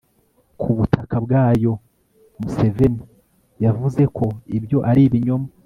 ku butaka bwayo; museveni yavuze ko ibyo ari ibinyoma